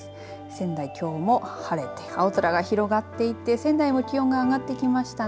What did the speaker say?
仙台、きょうも晴れて青空が広がっていて仙台も気温が上がってきましたね。